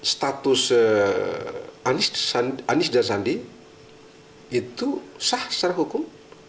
status anies dan sandi itu sah secara hukum